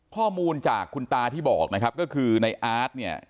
ข้อมูลจากคุณตาที่บอกนะครับก็คือในอาร์ตเนี่ย